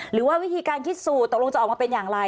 หรือว่าวิธีการคิดสูตรตกลงจะออกมาเป็นอย่างไร